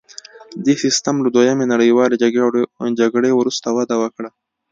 دې سیستم له دویمې نړیوالې جګړې وروسته وده وکړه